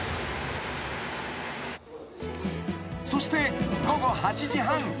［そして午後８時半］